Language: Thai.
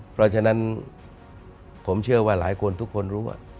เพราะฉะนั้นผมเชื่อว่าหลายคนทุกคนรู้